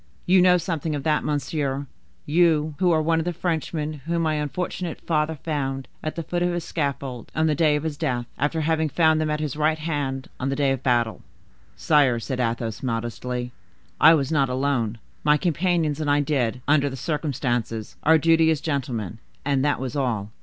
You know something of that, monsieur,—you, who are one of the Frenchmen whom my unfortunate father found at the foot of his scaffold, on the day of his death, after having found them at his right hand on the day of battle." "Sire," said Athos modestly, "I was not alone. My companions and I did, under the circumstances, our duty as gentlemen, and that was all.